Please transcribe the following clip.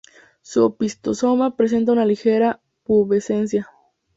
Su opistosoma presenta una ligera pubescencia.